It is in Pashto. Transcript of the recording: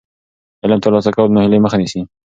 علم ترلاسه کول د ناهیلۍ مخه نیسي.